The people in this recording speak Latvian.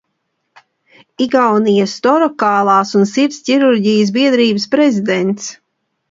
Igaunijas Torakālās un Sirds ķirurģijas biedrības prezidents.